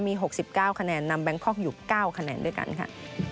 มี๖๙คะแนนนำแบงคอกอยู่๙คะแนนด้วยกันค่ะ